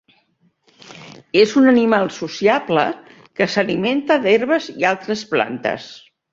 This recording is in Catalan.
És un animal sociable que s'alimenta d'herbes i altres plantes.